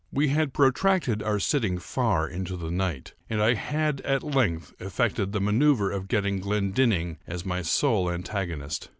We had protracted our sitting far into the night, and I had at length effected the manoeuvre of getting Glendinning as my sole antagonist.